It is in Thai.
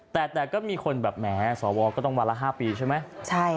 แต่แต่ก็มีคนแบบแหมสวก็ต้องวันละ๕ปีใช่ไหม